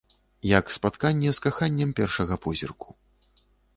Як спатканне з каханнем першага позірку.